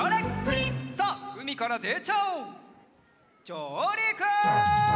じょうりく！